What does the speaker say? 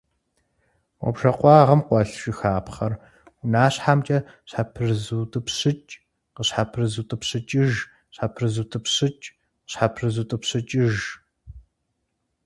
Мо бжэ къуагъым къуэлъ жыхапхъэр унащхьэмкӀэ щхьэпрызутӀыпщыкӀ, къыщхьэпрызутӀыпщыкӀыж, щхьэпрызутӀыпщыкӀ, къыщхьэпрызутӀыпщыкӀыж.